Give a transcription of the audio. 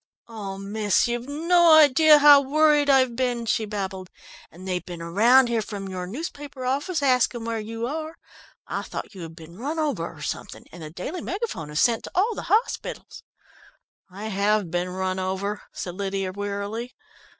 "Oh, miss, you've no idea how worried I've been," she babbled, "and they've been round here from your newspaper office asking where you are. I thought you had been run over or something, and the Daily Megaphone have sent to all the hospitals " "I have been run over," said Lydia wearily.